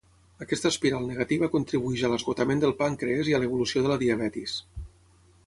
Aquesta espiral negativa contribueix a l'esgotament del pàncrees i a l'evolució de la diabetis.